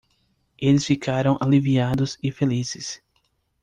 Eles ficaram aliviados e felizes.